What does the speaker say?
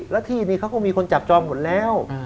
แล้วที่นี่เขาก็มีคนจับจองหมดแล้ว